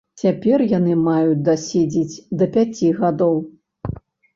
Цяпер яны маюць даседзець да пяці гадоў.